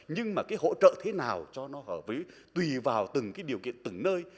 nhưng mà cái hỗ trợ thế nào cho nó hợp với tùy vào từng cái điều kiện từng nơi